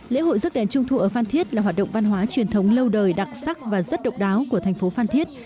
lễ hội rước đèn trung thu ở phan thiết là hoạt động văn hóa truyền thống lâu đời đặc sắc và rất độc đáo của thành phố phan thiết